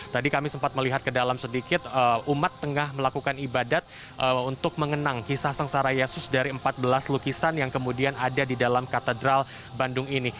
tadi kami sempat melihat ke dalam sedikit umat tengah melakukan ibadat untuk mengenang kisah sengsara yesus dari empat belas lukisan yang kemudian ada di dalam katedral bandung ini